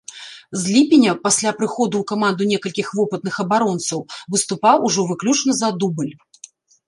З ліпеня, пасля прыходу ў каманду некалькіх вопытных абаронцаў, выступаў ужо выключна за дубль.